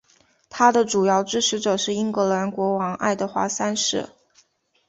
他的主要支持者是英格兰国王爱德华三世。